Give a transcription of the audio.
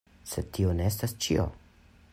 Sed tio ne estas ĉio!